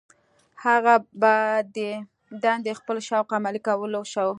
هغه په دې دنده خپل شوق عملي کولای شو.